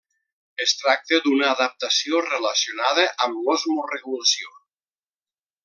Es tracta d'una adaptació relacionada amb l'osmoregulació.